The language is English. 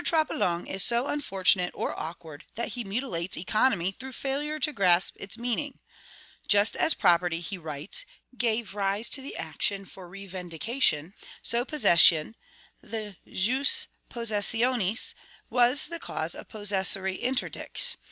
Troplong is so unfortunate or awkward that he mutilates economy through failure to grasp its meaning "Just as property," he writes, "gave rise to the action for revendication, so possession the jus possessionis was the cause of possessory interdicts....